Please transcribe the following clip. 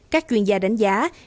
các chuyên gia đánh giá